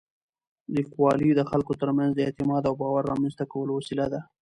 لیکوالی د خلکو تر منځ د اعتماد او باور رامنځته کولو وسیله ده.